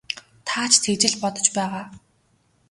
Та ч тэгж л бодож байгаа.